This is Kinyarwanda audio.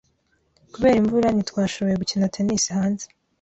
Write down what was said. Kubera imvura, ntitwashoboye gukina tennis hanze.